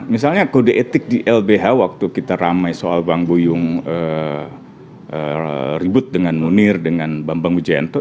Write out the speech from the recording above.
misalnya kode etik di lbh waktu kita ramai soal bang buyung ribut dengan munir dengan bambang wijayanto